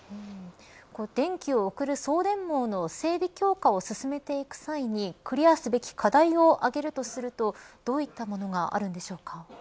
電気を送る送電網の整備強化を進めていく際にクリアすべき課題を挙げるとするとどういったものがあるんでしょうか。